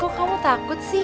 kok kamu takut sih